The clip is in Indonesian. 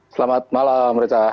selamat malam reza